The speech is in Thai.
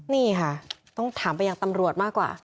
นี่ค่ะต้องถามไปยังตำรวจมากกว่า